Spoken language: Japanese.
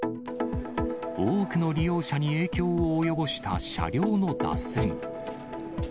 多くの利用者に影響を及ぼした車両の脱線。